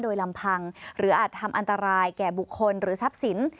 โดยลำพังหรืออาจทำอันตรายแก่บุคคลหรือทรัพย์สิน